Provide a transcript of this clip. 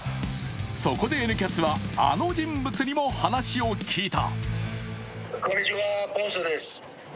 そこで、「Ｎキャス」はあの人物にも話を聞いた。